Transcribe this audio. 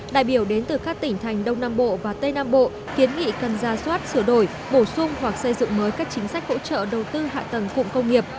đại biểu đến từ các tỉnh thành đông nam bộ và tây nam bộ kiến nghị cần ra soát sửa đổi bổ sung hoặc xây dựng mới các chính sách hỗ trợ đầu tư hạ tầng cụm công nghiệp